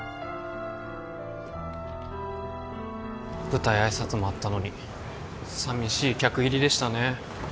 舞台挨拶もあったのに寂しい客入りでしたね